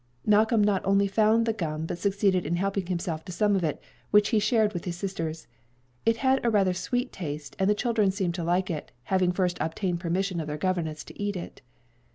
Malcolm not only found the gum, but succeeded in helping himself to some of it, which he shared with his sisters. It had a rather sweet taste, and the children seemed to like it, having first obtained permission of their governess to eat it.